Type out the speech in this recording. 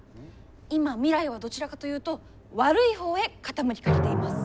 今未来はどちらかというと悪い方へ傾きかけています。